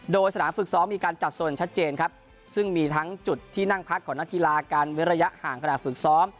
โดยสนามฝึกซ้อมมีการจัดโซนชัดเจนครับซึ่งมีทั้งจุดที่นั่งพักของนักกีฬาการเว้นระยะห่างขนาดฝึกซ้อม